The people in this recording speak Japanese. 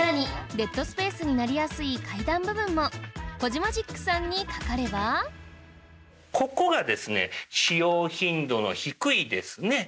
デッドスペースになりやすい階段部分もコジマジックさんにかかればここがですね。